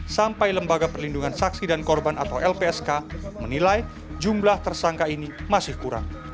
sampai lembaga perlindungan saksi dan korban atau lpsk menilai jumlah tersangka ini masih kurang